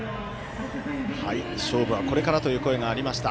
「勝負はこれから」という声がありました。